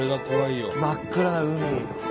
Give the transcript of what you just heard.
真っ暗な海。